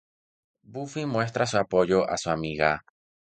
Buffy muestra su apoyo a su amiga.